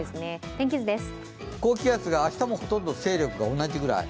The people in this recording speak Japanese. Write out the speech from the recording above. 高気圧が明日もほとんど勢力が同じぐらい。